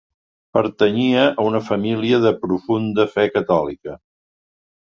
Pertanyia a una família de profunda fe catòlica.